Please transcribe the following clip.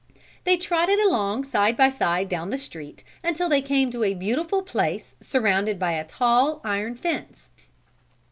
They trotted along side by side down the street until they came to a beautiful place surrounded by a tall, iron fence.